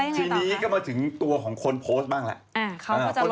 ทีนี้ก็มาถึงตัวของคนโพสต์บ้างแหละ